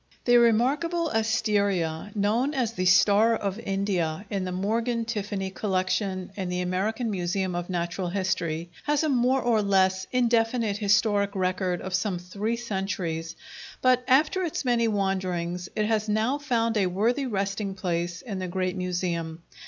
] The remarkable asteria, known as the "Star of India," in the Morgan Tiffany Collection in the American Museum of Natural History, has a more or less indefinite historic record of some three centuries, but after its many wanderings it has now found a worthy resting place in the great Museum.